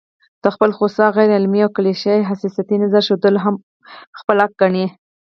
د خپل خوسا، غيرعلمي او کليشه يي حساسيتي نظر ښودل هم خپل حق ګڼي